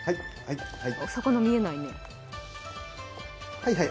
はい、はい。